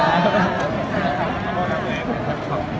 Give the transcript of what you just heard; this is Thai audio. มีโครงการทุกทีใช่ไหม